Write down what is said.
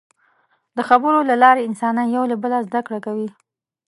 د خبرو له لارې انسانان یو له بله زدهکړه کوي.